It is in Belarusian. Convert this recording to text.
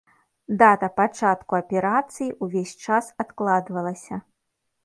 Дата пачала аперацыі ўвесь час адкладвалася.